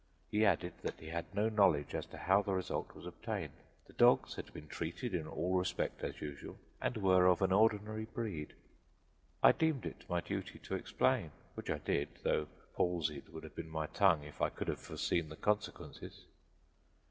He added that he had no knowledge as to how the result was obtained; the dogs had been treated in all respects as usual, and were of an ordinary breed. I deemed it my duty to explain which I did, though palsied would have been my tongue if I could have foreseen the consequences.